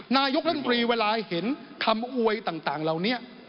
นายกรัฐมนตรีเวลาเห็นคำอวยต่างเหล่านี้